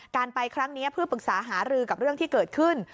การไปครั้งนี้เพื่อปรึกษาหารือกับเรื่องที่เกิดขึ้น